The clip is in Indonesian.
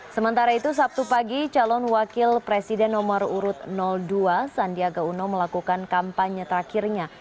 sementara itu sabtu pagi calon wakil presiden nomor urut dua sandiaga uno melakukan kampanye terakhirnya